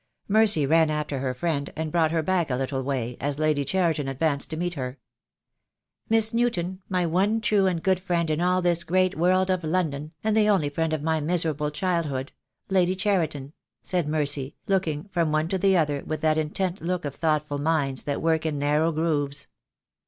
Mercy ran after her friend, and brought her back a little way, as Lady Cheriton advanced to meet her. "Miss Newton, my one true and good friend in all this great world of London, and the only friend of my miserable childhood, Lady Cheriton," said Mercy, looking from one to the other with that intent look of thoughtful minds that work in narrow grooves.